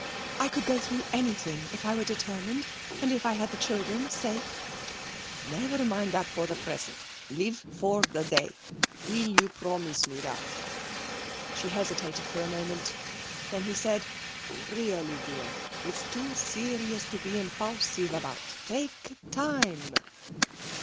I could go through anything if I were determined, and if I had the children safe.' 'Never mind that for the present. Live for the day. Will you promise me that?' She hesitated for a moment. Then he said: 'Really, dear, it's too serious to be impulsive about. Take time.'